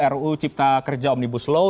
ruu cipta kerja omnibus law